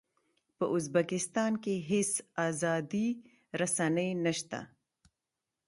په ازبکستان کې هېڅ ازادې رسنۍ نه شته.